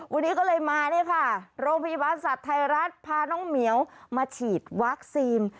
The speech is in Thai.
วันนี้ก็เลยมาเนี่ยค่ะโรงพยาบาลสัตว์ไทยรัฐพาน้องเหมียวมาฉีดวัคซีน